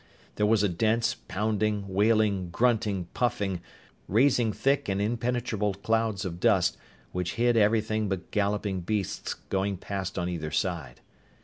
There was a dense, pounding, wailing, grunting, puffing, raising thick and impenetrable clouds of dust which hid everything but galloping beasts going past on either side.